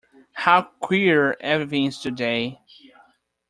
How queer everything is to-day!